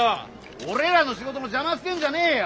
俺らの仕事の邪魔すんじゃねえよ。